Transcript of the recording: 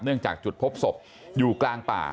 จากจุดพบศพอยู่กลางป่า